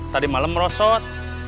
tadi malam merosot